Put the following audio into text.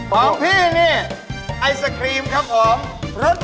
ของพี่นี่ไอศครีมครับผม